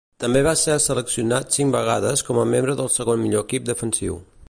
També va ser seleccionat cinc vegades com a membre del segon millor equip defensiu.